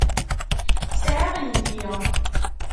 Sɛiɣ yelli.